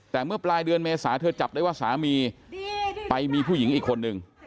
แต่เมื่อปลายเดือนเมษาเธอจับได้ว่าสามีไปมีผู้หญิงอีกคนนึง